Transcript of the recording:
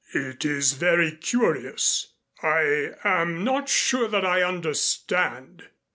"It is very curious. I am not sure that I understand.